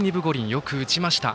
よく打ちました。